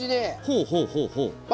ほうほうほうほう。